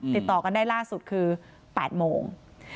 ติดต่อกันได้ล่าสุดคือ๘โมง